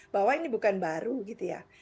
bahwa ini bukan baru gitu ya